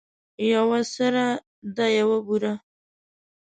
یوه سره ده یوه بوره.